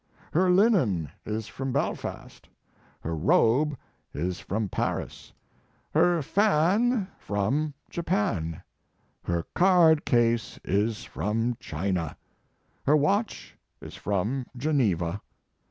Her linen is from Belfast; her robe is from Paris; her fan 160 Mark Twain from Japan; her card case is from China; her watch is from Geneva; *.